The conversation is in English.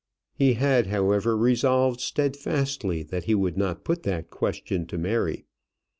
He had, however, resolved steadfastly that he would not put that question to Mary.